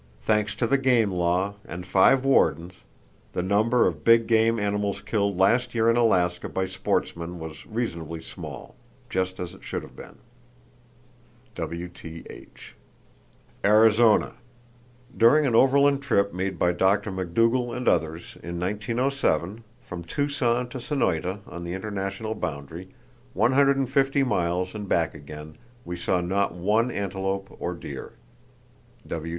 Thanks to the game law, and five wardens, the number of big game animals killed last year in Alaska by sportsmen was reasonably small,—just as it should have been.—(W.T.H.) Arizona: During an overland trip made by Dr. MacDougal and others in 1907 from Tucson to Sonoyta, on the international boundary, 150 miles and back again, we saw not one antelope or deer.